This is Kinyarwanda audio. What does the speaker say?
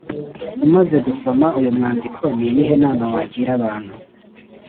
umaze gusoma uyu mwandiko ni iyihe nama wagira abantu